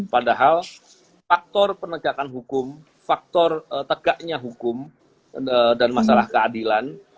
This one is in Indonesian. padahal faktor penegakan hukum faktor tegaknya hukum dan masalah keadilan